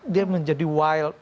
dia menjadi wild